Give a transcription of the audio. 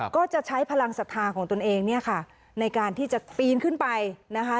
ก็จะใช้พลังศรัทธาของตนเองเนี่ยค่ะในการที่จะปีนขึ้นไปนะคะ